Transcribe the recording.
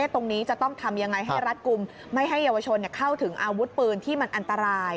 ตรงนี้จะต้องทำยังไงให้รัฐกลุ่มไม่ให้เยาวชนเข้าถึงอาวุธปืนที่มันอันตราย